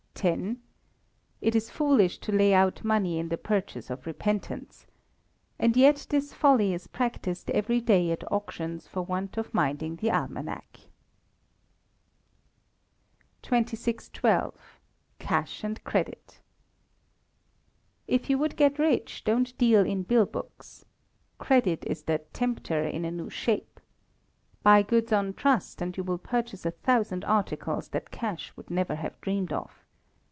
"It is foolish to lay out money in the purchase of repentance;" and yet this folly is practised every day at auctions for want of minding the Almanack. 2612. Cash and Credit. If you would get rich, don't deal in bill books. Credit is the "Tempter in a new shape." Buy goods on trust, and you will purchase a thousand articles that cash would never have dreamed of.